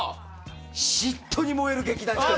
嫉妬に燃える劇団ひとり。